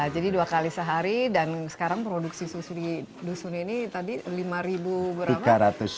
jadi dua kali sehari dan sekarang produksi susu di dusun ini tadi lima berapa